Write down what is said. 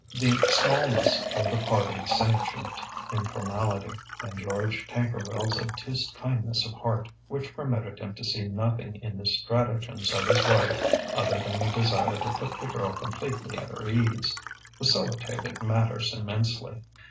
The smallness of the party sanctioned informality; and George Tankerville's obtuse kindness of heart (which permitted him to see nothing in the stratagems of his wife other than a desire to put the girl completely at her ease) facilitated matters immensely.